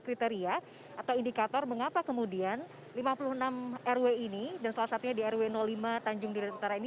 kriteria atau indikator mengapa kemudian lima puluh enam rw ini dan salah satunya di rw lima tanjung duren utara ini